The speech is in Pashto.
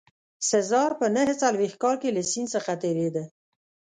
سزار په نه څلوېښت کال کې له سیند څخه تېرېده.